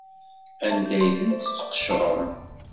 Anda ay tent-tesqecrem?